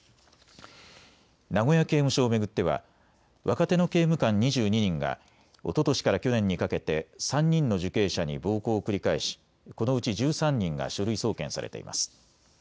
名古屋刑務所を巡っては若手の刑務官２２人がおととしから去年にかけて３人の受刑者に暴行を繰り返しこのうち１３人が書類送検されています。